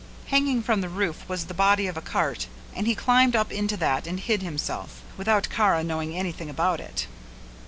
Hanging from the roof was the body of a cart and he climbed up into that and hid himself, without Kara knowing anything about it.